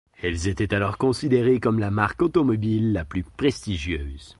Elles étaient alors considérées comme la marque automobile la plus prestigieuse.